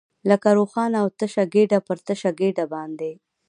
لکه روښانه او تشه ګېډه، پر تشه ګېډه باندې.